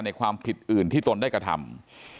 ความผิดอื่นที่ตนได้กระทำ